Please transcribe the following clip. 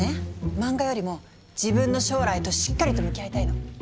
漫画よりも自分の将来としっかりと向き合いたいの。